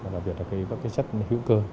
đặc biệt là các chất hữu cơ